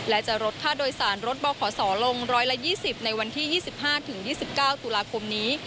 และจะลดค่าโดยสารรถบขศลง๑๒๐ในวันที่๒๕๒๙ตุลาคมนี้